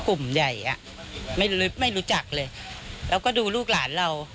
กลุ่มใหญ่อ่ะไม่รู้จักเลยแล้วก็ดูลูกหลานเรา